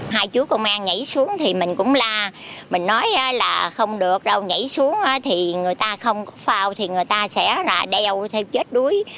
hai chú công an nhảy xuống thì mình cũng la mình nói là không được đâu nhảy xuống thì người ta không có phao thì người ta sẽ là đeo theo chết đuối